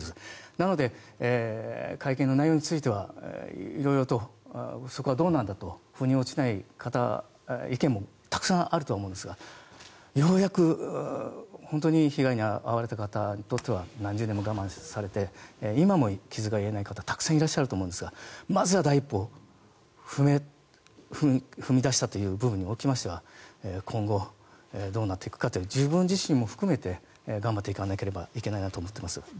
なので、会見の内容については色々と、どうなんだと腑に落ちない方、意見もたくさんあると思うんですがようやく、本当に被害に遭われた方にとっては何十年も我慢されて今も傷が癒えない方たくさんいらっしゃると思うんですがまずは第一歩を踏み出したという部分におきましては今後、どうなっていくかと自分自身も含めて頑張っていかなければいけないと思います。